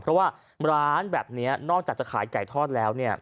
เพราะว่าร้านแบบนี้นอกจากจะขายไก่ทอดแล้วเนี่ย